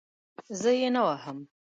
زه یې نه وهم.